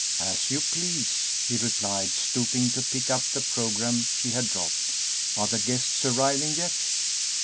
"As you please," he replied, stooping to pick up the programme she had dropped; "are the guests arriving yet?"